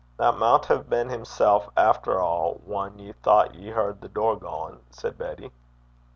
'That maun hae been himsel' efter a' whan ye thocht ye hard the door gang,' said Betty.